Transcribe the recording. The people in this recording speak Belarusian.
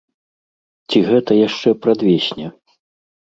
Ці гэта яшчэ прадвесне?